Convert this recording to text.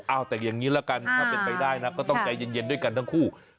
เอาแต่อย่างนี้ละกันถ้าเป็นไปได้นะก็ต้องใจเย็นด้วยกันทั้งคู่